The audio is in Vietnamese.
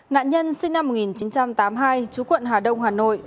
nạn nhân sinh năm một nghìn chín trăm tám mươi hai chú quận hà đông hà nội